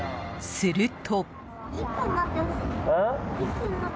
すると。